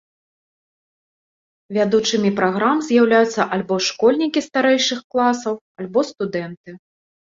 Вядучымі праграм з'яўляюцца альбо школьнікі старэйшых класаў, альбо студэнты.